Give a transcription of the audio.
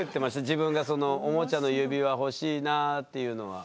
自分が「おもちゃの指輪欲しいなぁ」っていうのは。